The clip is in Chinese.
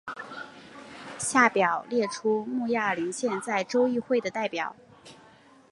下表列出慕亚林县在州议会的代表。